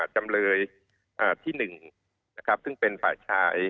จำเลยที่๑ซึ่งเป็นฝ่ายชาย